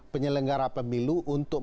penyelenggara pemilu untuk